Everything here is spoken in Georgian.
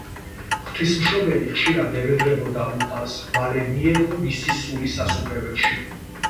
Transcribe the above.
ღვთისმშობელი ხშირად ევედრებოდა უფალს, მალე მიეღო მისი სული სასუფეველში.